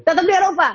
tetap di eropa